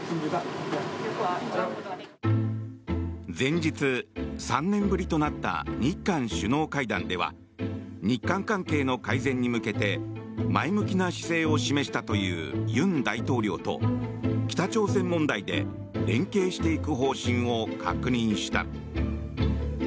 前日、３年ぶりとなった日韓首脳会談では日韓関係の改善に向けて前向きな姿勢を示したという尹大統領と北朝鮮問題で連携していく方針を確認した。